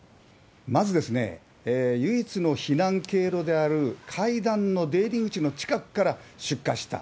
まず、唯一の避難経路である階段の出入り口の近くから出火した。